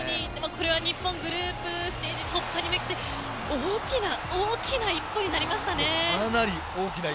これは日本グループステージ突破に向けて大きな、大きな一歩になりましたね。